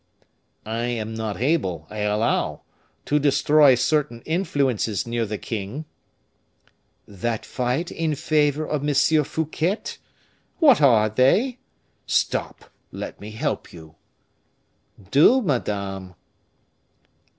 "I am not able, I allow, to destroy certain influences near the king." "That fight in favor of M. Fouquet? What are they? Stop, let me help you." "Do, madame."